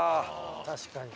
確かに。